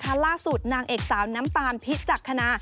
ขณะล่าสุดนางเอกสาวน้ำตาลภิษฐ์จักรคณะ